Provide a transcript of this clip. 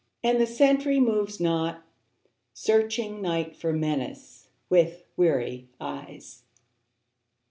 And the sentry moves not, searching Night for menace with weary eyes.